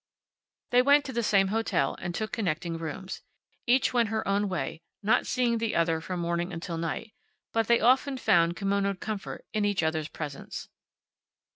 They went to the same hotel, and took connecting rooms. Each went her own way, not seeing the other from morning until night, but they often found kimonoed comfort in each other's presence.